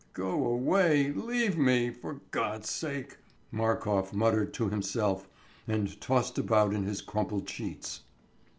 "Go away, leave me ... for God's sake," Markof muttered to himself, and tossed about in his crumpled sheets.